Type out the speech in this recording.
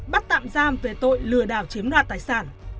bắt tạm giam về tội lừa đảo chiếm đoạt tài sản